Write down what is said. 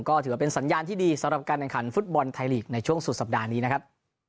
ก็ถือว่าเป็นสัญญาณที่ดีสำหรับการแข่งขันฟุตบอลไทยลีกในช่วงสุดสัปดาห์นี้นะครับ